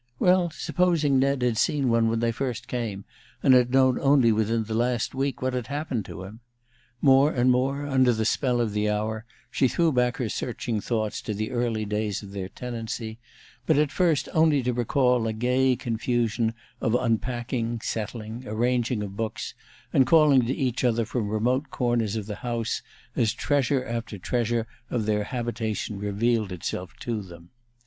Well, supposing Ned had seen one when they first came, and had known only within the last week what had happened to him? More and more under the spell of the hour, she threw back her searching thoughts to the early days of their tenancy, but at first only to recall a gay confusion of unpacking, settling, arranging of books, and calling to each other from remote corners of the house as treasure after treasure of their habitation revealed itself to them.